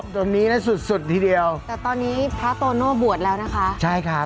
ตรงนี้นะสุดสุดทีเดียวแต่ตอนนี้พระโตโน่บวชแล้วนะคะใช่ครับ